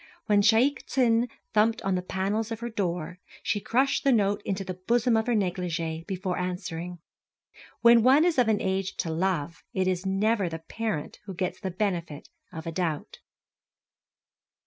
When Shaik Tsin thumped the panels of her door, she crushed the note into the bosom of her négligée before answering. When one is of an age to love, it is never the parent who gets the benefit of a doubt.